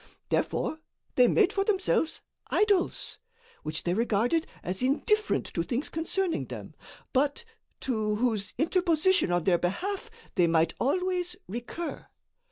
Therefore they made for themselves idols, which they regarded as indifferent to things concerning them, but to whose interposition in their behalf, they might always recur.